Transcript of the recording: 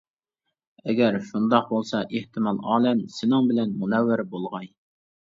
ئەگەر شۇنداق بولسا، ئېھتىمال ئالەم سېنىڭ بىلەن مۇنەۋۋەر بولغاي.